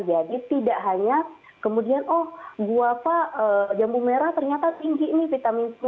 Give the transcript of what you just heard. jadi tidak hanya kemudian oh buah jambu merah ternyata tinggi ini vitamin c